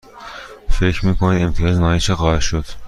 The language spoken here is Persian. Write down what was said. فکر می کنید امتیاز نهایی چه خواهد شد؟